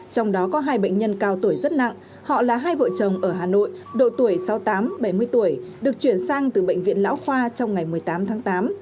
trong đó có hai bệnh nhân cao tuổi rất nặng họ là hai vợ chồng ở hà nội độ tuổi sáu mươi tám bảy mươi tuổi được chuyển sang từ bệnh viện lão khoa trong ngày một mươi tám tháng tám